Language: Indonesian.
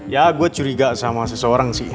ya gue curiga sama seseorang sih